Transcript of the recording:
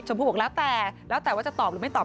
ผู้บอกแล้วแต่แล้วแต่ว่าจะตอบหรือไม่ตอบ